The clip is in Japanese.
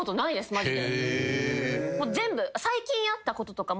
マジで。